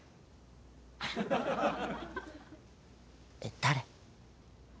誰？